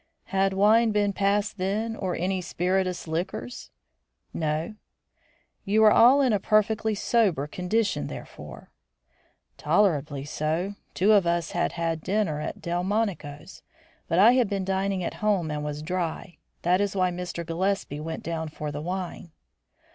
"Had wine been passed then, or any spirituous liquors?" "No." "You were all in a perfectly sober condition therefore?" "Tolerably so. Two of us had had dinner at Delmonico's, but I had been dining at home and was dry. That is why Mr. Gillespie went down for the wine."